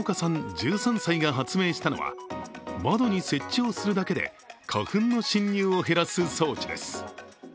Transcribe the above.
１３歳が発明したのは窓に設置をするだけで花粉の侵入を減らす装置です。